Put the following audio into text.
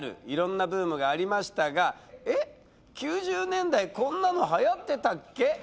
いろんなブームがありましたがえっ９０年代こんなのはやってたっけ？